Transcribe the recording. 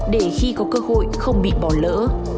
để khi có cơ hội không bị bỏ lỡ